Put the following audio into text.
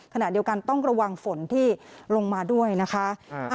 ขณะเดียวกันต้องระวังฝนที่ลงมาด้วยนะคะ